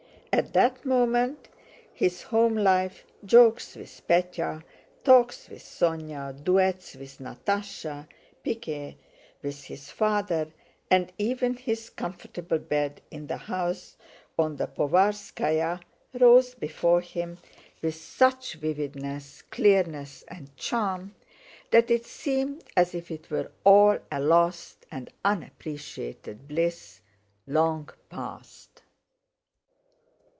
At that moment his home life, jokes with Pétya, talks with Sónya, duets with Natásha, piquet with his father, and even his comfortable bed in the house on the Povarskáya rose before him with such vividness, clearness, and charm that it seemed as if it were all a lost and unappreciated bliss, long past.